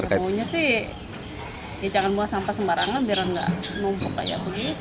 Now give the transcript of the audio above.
maunya sih jangan buang sampah sembarangan biar nggak numpuk kayak begitu